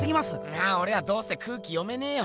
ああおれはどうせ空気読めねぇよ。